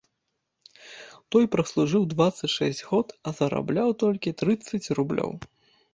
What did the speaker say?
Той праслужыў дваццаць шэсць год, а зарабляў толькі трыццаць рублёў.